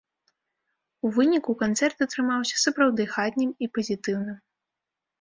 У выніку канцэрт атрымаўся сапраўды хатнім і пазітыўным.